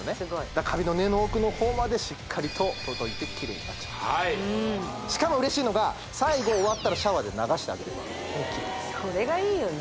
だからカビの根の奥の方までしっかりと届いてキレイになっちゃうしかも嬉しいのが最後終わったらシャワーで流してあげればこれがいいよね